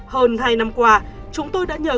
hơn hai năm qua chúng tôi đã nhờ